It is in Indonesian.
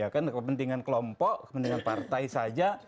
kepentingan kelompok kepentingan partai saja